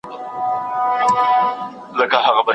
که لمر نه وای نو ځمکه به په تیاره کې وای.